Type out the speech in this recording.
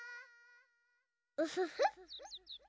ウフフ。